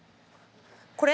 これ？